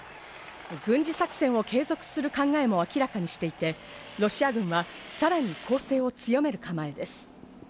軍事作戦を継続する考えも明らかにしていて、ロシア軍はさらに攻勢を強める構えです。